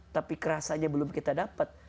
tapi kerasanya belum kita dapat